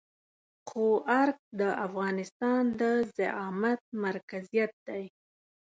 خو ارګ د افغانستان د زعامت مرکزيت دی.